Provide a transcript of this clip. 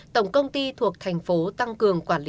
tổng công ty thuộc thành phố tăng cường quản lý